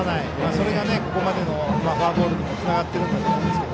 それが、ここまでのフォアボールにもつながっていると思います。